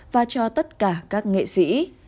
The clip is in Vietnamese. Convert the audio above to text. và cho tất cả các nghệ sĩ